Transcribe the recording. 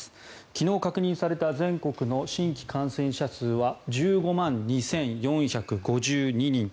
昨日確認された全国の新規感染者数は１５万２４５２人。